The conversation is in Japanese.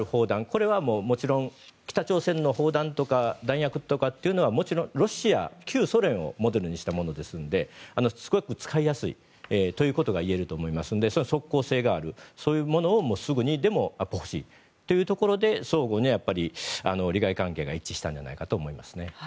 これはもちろん北朝鮮の砲弾とか弾薬というのはもちろん、ロシア、旧ソ連をモデルにしたものですのですごく使いやすいということがいえると思いますのでそれは即効性があるものをすぐにでも欲しいというところで相互に利害関係が一致したのではないかと思います。